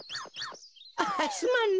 あっすまんね。